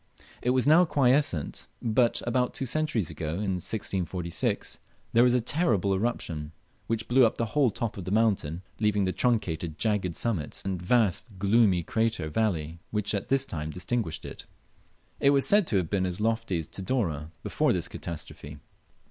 It was now quiescent, but about two centuries ago (in 1646) there was a terrible eruption, which blew up the whole top of the mountain, leaving the truncated jagged summit and vast gloomy crater valley which at this time distinguished it. It was said to have been as lofty as Tidore before this catastrophe.